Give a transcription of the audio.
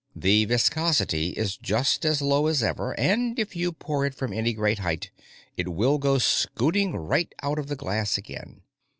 The viscosity is just as low as ever, and if you pour it from any great height, it will go scooting right out of the glass again.